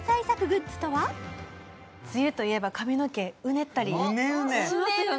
梅雨といえば髪の毛うねったりしますよね